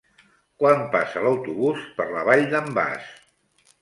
Quan passa l'autobús per la Vall d'en Bas?